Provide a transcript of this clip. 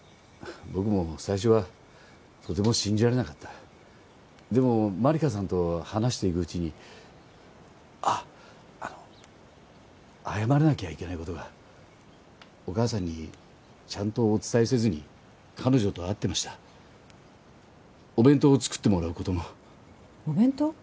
僕も最初はとても信じられなかったでも万理華さんと話していくうちにあっあの謝らなきゃいけないことがお母さんにちゃんとお伝えせずに彼女と会ってましたお弁当を作ってもらうこともお弁当？